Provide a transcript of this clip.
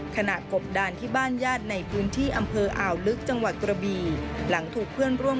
กบดานที่บ้านญาติในพื้นที่อำเภออ่าวลึกจังหวัดกระบีหลังถูกเพื่อนร่วม